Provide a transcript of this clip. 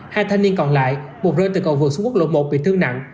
hai thanh niên còn lại một rơi từ cầu vực xuống quốc lộ một bị thương nặng